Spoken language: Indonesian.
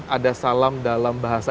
ada salam dalam bahasa